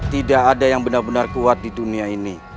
tidak ada yang benar benar kuat di dunia ini